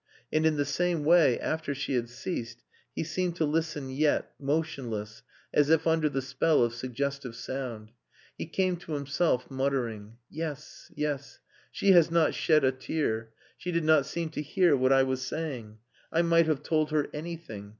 And in the same way, after she had ceased, he seemed to listen yet, motionless, as if under the spell of suggestive sound. He came to himself, muttering "Yes, yes. She has not shed a tear. She did not seem to hear what I was saying. I might have told her anything.